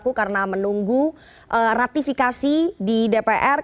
karena menunggu ratifikasi di dpr